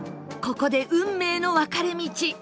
ここで運命の分かれ道